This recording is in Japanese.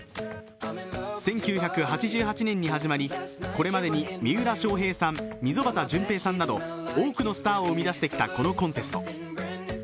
１９８８年に始まり、これまでに三浦翔平さん、溝端淳平さんなど多くのスターを生み出してきたこのコンテスト。